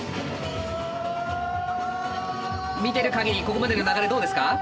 見てる限りここまでの流れどうですか？